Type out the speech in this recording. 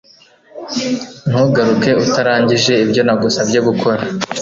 Ntugaruke utarangije ibyo nagusabye gukora